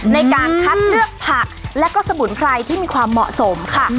ในการคัดเลือกผักและก็สมุนไพรที่มีความเหมาะสมค่ะ